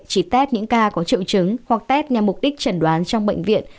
chỉ test những ca có triệu chứng hoặc test nhằm mục đích chẩn đoán trong bệnh viện